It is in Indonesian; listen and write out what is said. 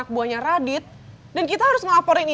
bahagia dan berarti